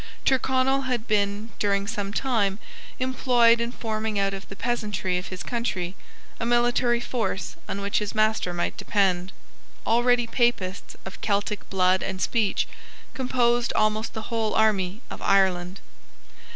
Tyrconnel had been, during some time, employed in forming out of the peasantry of his country a military force on which his master might depend. Already Papists, of Celtic blood and speech, composed almost the whole army of Ireland.